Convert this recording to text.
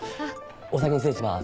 お先に失礼します。